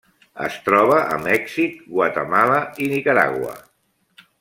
Es troba a Mèxic, Guatemala i Nicaragua.